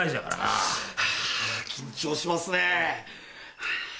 あ緊張しますねぇ。